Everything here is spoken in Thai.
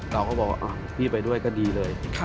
เราก็บอกว่าพี่ไปด้วยก็ดีเลย